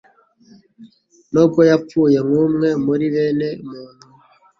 Nubwo yapfuye nk'umwe muri bene muntu,